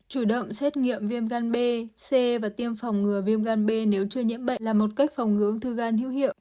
chủ động xét nghiệm viêm gan b c và tiêm phòng ngứa viêm gan b nếu chưa nhiễm bệnh là một cách phòng ngứa ung thư gan hữu hiệu